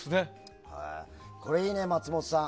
これ、いいね松本さん。